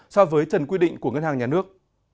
so với trần quy định của ngân hàng nhà nước